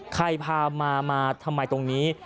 พามามาทำไมตรงนี้